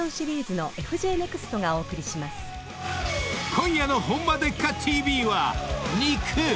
［今夜の『ホンマでっか⁉ＴＶ』は肉！］